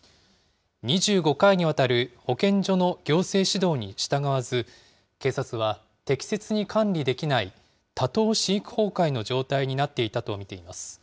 ２５回にわたる保健所の行政指導に従わず、警察は適切に管理できない多頭飼育崩壊の状態になっていたと見ています。